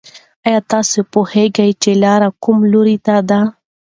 ایا تاسې پوهېږئ چې لاره کوم لوري ته ده؟